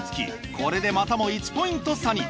これでまたも１ポイント差に。